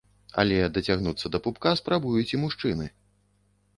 Але дацягнуцца да пупка спрабуюць і мужчыны.